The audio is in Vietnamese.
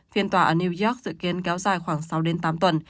phiên tòa ở new york dự kiến kéo dài khoảng sáu đến tám tuần